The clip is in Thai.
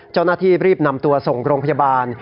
เจ้าหน้าที่รีบนำตัวส่งโรงพยาบาล